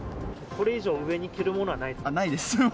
これ以上、上に着るものはなないです。